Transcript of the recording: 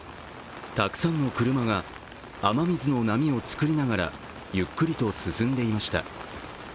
たくさんの車が雨水の波を作りながらゆっくりと進んでいました。